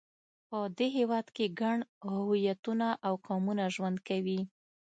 په دې هېواد کې ګڼ هویتونه او قومونه ژوند کوي.